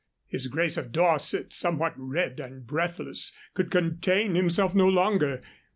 His grace of Dorset, somewhat red and breathless, could contain himself no longer.